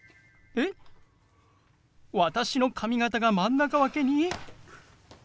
えっ私の髪形が真ん中分けに？